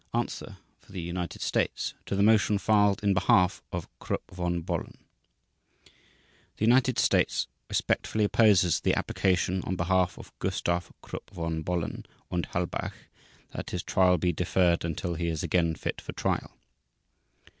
ANSWER FOR THE UNITED STATES TO THE MOTION FILED IN BEHALF OF KRUPP VON BOHLEN The United States respectfully opposes the application on behalf of Gustav Krupp von Bohlen und Halbach that his trial be "deferred until he is again fit for trial."